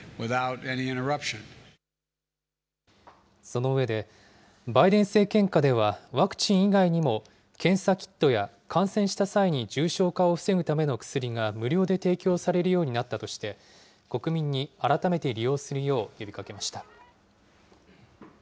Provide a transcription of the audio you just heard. その上で、バイデン政権下ではワクチン以外にも、検査キットや感染した際に重症化を防ぐための薬が無料で提供されるようになったとして、国民に改めて利用するよう呼びかけました。